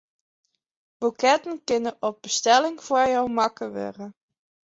Boeketten kinne op bestelling foar jo makke wurde.